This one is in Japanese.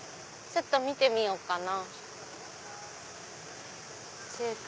ちょっと見てみようかな。